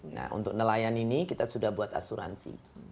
nah untuk nelayan ini kita sudah buat asuransi